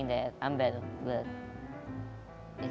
mereka bisa menjadi lebih baik